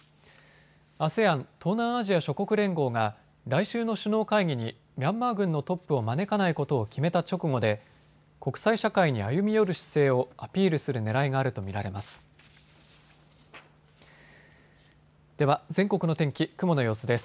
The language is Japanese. ＡＳＥＡＮ・東南アジア諸国連合が来週の首脳会議にミャンマー軍のトップを招かないことを決めた直後で国際社会に歩み寄る姿勢をアピールするねらいがあると見られます。